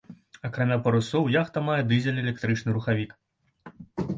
Акрамя парусоў яхта мае дызель-электрычны рухавік.